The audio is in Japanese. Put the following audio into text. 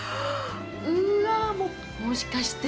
うわあ、もしかして。